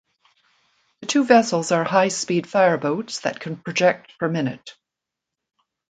The two vessels are high speed fireboats that can project per minute.